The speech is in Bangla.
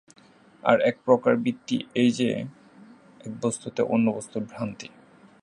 আর এক প্রকার বৃত্তি এই যে, এক বস্তুতে অন্য বস্তুর ভ্রান্তি।